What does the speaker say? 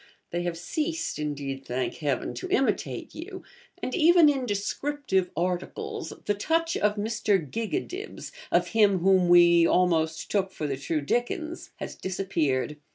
They have ceased, indeed, thank Heaven! to imitate you; and even in 'descriptive articles' the touch of Mr. Gigadibs, of him whom 'we almost took for the true Dickens,' has disappeared.